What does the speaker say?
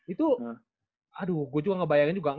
itu aduh gue juga ngebayangin juga